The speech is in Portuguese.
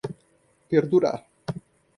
perdurar